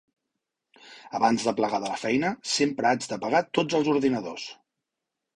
Abans de plegar de la feina sempre haig d'apagar tots els ordinadors.